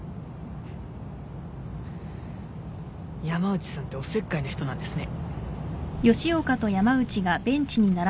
山内さんっておせっかいな人なんですね。